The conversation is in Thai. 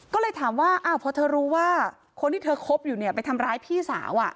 ก็เลยถามว่าพอเธอรู้ว่าคนที่เธอคบอยู่เนี่ยไปทำร้ายพี่สาว